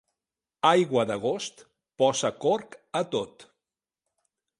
Aigua d'agost posa corc a tot.